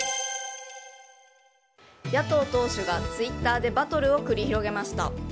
野党党首がツイッターでバトルを繰り広げました。